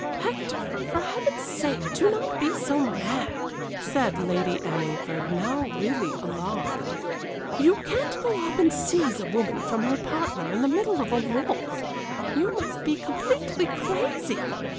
"Hector, for Heaven's sake do not be so mad," said Lady Anningford, now really alarmed. "You can't go up and seize a woman from her partner in the middle of a waltz. You must be completely crazy!